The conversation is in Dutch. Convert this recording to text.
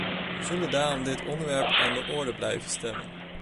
We zullen daarom dit onderwerp aan de orde blijven stellen.